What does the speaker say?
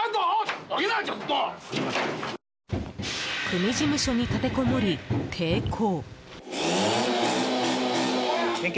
組事務所に立てこもり抵抗。